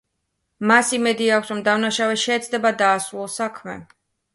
მას იმედი აქვს რომ დამნაშავე შეეცდება დაასრულოს საქმე.